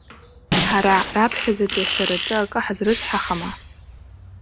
Ҳара, раԥхьаӡатәи ашараҿы акы ҳазрыцҳахама?